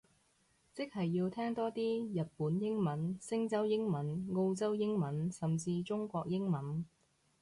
即係要聽多啲印度英文，星洲英文，歐洲英文，甚至中國英文